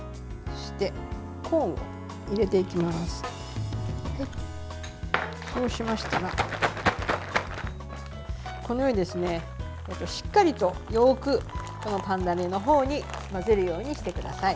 そうしましたらこのように、しっかりとよくこのパン種のほうに混ぜるほうにしてください。